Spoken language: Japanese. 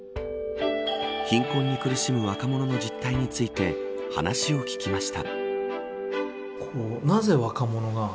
貧困に苦しむ若者の実態について話を聞きました。